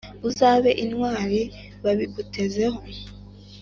uzabe intwari babigutezeho